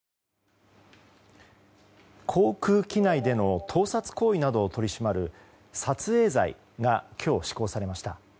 航空機内での盗撮行為などを取り締まる撮影罪が今日、施行されました。